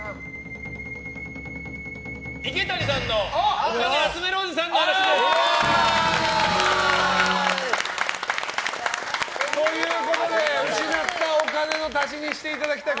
池谷さんのお金集めるよおじさんです。ということで失ったお金の足しにしていただきたい。